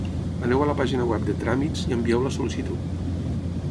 Aneu a la pàgina web de "Tràmits" i envieu la sol·licitud.